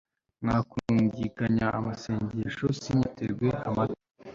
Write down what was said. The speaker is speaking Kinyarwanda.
mwakungikanya amasengesho, sinyatege amatwi